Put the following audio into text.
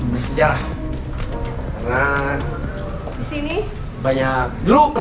bisa disimpulkan ini